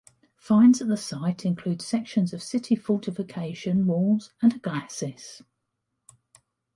Finds at the site include sections of city fortification walls and a glacis.